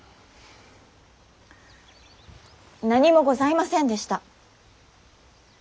何もございませんでした。